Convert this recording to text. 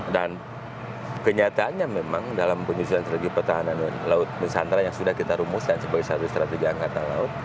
dan kenyataannya memang dalam penyelesaian strategi pertahanan laut dan santra yang sudah kita rumuskan sebagai satu strategi angkatan laut